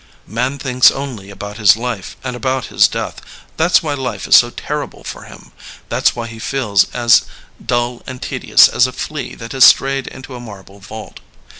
'^Man thinks only about his life and about his death. That's why life is so terrible for him, that's why he feels as LEONID ANDREYEV 19 dull and tedious as a flea that has strayed into a marble vault.